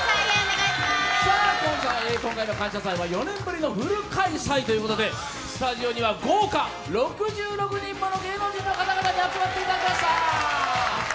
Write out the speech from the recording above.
今回の「感謝祭」は４年ぶりのフル開催ということで、スタジオには豪華、６６人もの芸能人の方々に集まっていただきました。